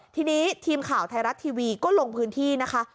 ทีนี้ทีมข่าวไทยรัฐทีวีก็ลงพื้นที่นะคะ